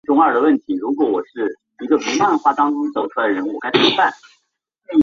此故事促成释证严日后创办慈济功德会与慈济医院的动机。